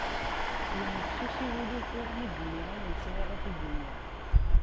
Yennefsusi wul-iw tura mi d-nniɣ ayen sεiɣ ad t-id-iniɣ.